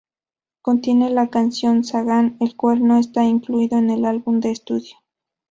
Contiene la canción ""Sagan"", el cual no está incluido en el álbum de estudio.